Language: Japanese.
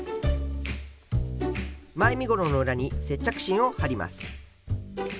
前身ごろの裏に接着芯を貼ります。